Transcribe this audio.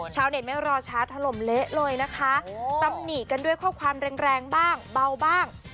ชาวเน็ตไม่รอช้าถล่มเละเลยนะคะตำหนิกันด้วยข้อความแรงแรงบ้างเบาบ้าง